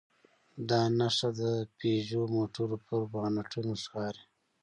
دا نښه د پيژو موټرو پر بانټونو ښکاري.